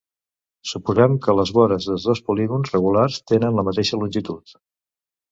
Suposem que les vores dels dos polígons regulars tenen la mateixa longitud.